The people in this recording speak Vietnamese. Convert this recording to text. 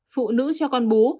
phụ nữ cho con bú